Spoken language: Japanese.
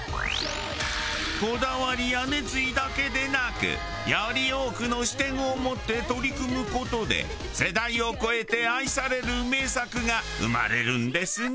こだわりや熱意だけでなくより多くの視点を持って取り組む事で世代を超えて愛される名作が生まれるんですね。